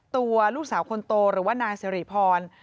ตัวลูกสาวคนโตหรือว่านายสิริพร